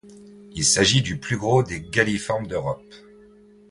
Il s'agit du plus gros des Galliformes d'Europe.